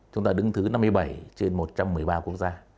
chúng ta đứng thứ năm mươi bảy trên một trăm một mươi ba quốc gia